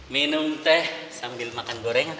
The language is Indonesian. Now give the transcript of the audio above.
minum teh sambil makan gorengan